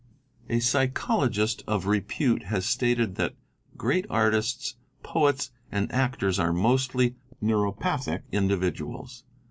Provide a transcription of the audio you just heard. A psychologist of repute has stated that great artists, poets, and actors, are "mostly neuropathic individuals."